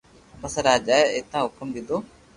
پسي راجا اي اينآ ھڪم ديدو